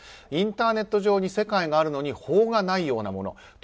インターネット上に世界があるのに法がないようなもの。